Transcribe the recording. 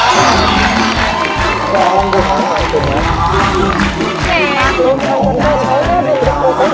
อยู่ตามจบ